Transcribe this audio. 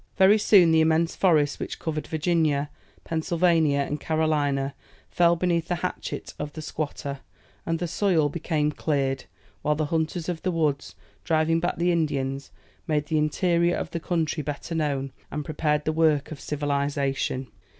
Very soon, the immense forests which covered Virginia, Pennsylvania, and Carolina, fell beneath the hatchet of the "Squatter," and the soil became cleared, while the hunters of the woods, driving back the Indians, made the interior of the country better known, and prepared the work of civilization.